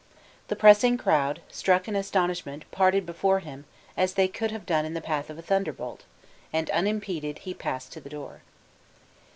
The pressing crowd, struck in astonishment, parted before him as they could have done in the path of a thunderbolt, and unimpeded, he passed to the door.